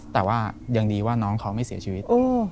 แต่ว่ายังดีว่าน้องเขาไม่เสียชีวิต